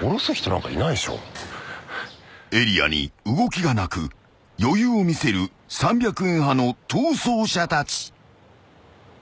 ［エリアに動きがなく余裕を見せる３００円派の逃走者たち］